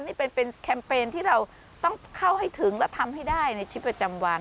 นี่เป็นแคมเปญที่เราต้องเข้าให้ถึงและทำให้ได้ในชีวิตประจำวัน